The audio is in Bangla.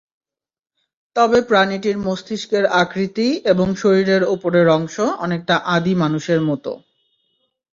তবে প্রাণীটির মস্তিষ্কের আকৃতি এবং শরীরের ওপরের অংশ অনেকটা আদি মানুষের মতো।